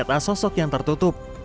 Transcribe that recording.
za sosok yang tertutup